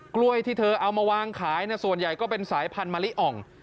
กล้วยที่เธอเอามาวางขายส่วนใหญ่ก็เป็นสายพันธุ์มะลิอ่อง